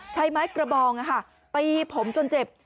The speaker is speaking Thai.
ใช้ไม้กระบองตีผมจนเจ็บ